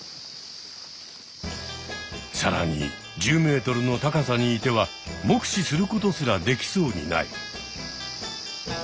さらに１０ｍの高さにいては目視することすらできそうにない。